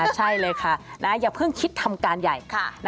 ใช่เลยค่ะอย่าเพิ่งคิดทำการใหญ่